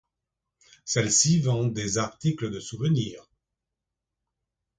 Celle-ci vend des articles de souvenirs.